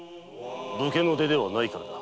武家の出ではないからだ。